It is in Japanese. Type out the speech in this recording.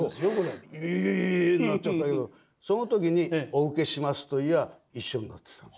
「えっ」なんて言ったけどその時に「お受けします」と言やあ一緒になってたの。